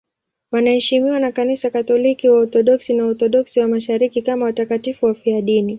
Wanaheshimiwa na Kanisa Katoliki, Waorthodoksi na Waorthodoksi wa Mashariki kama watakatifu wafiadini.